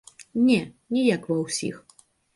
Не, не як ва ўсіх.